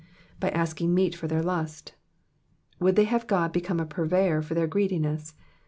^y asking meat for their lust,'*^ Would they have God become purveyor for their greediness?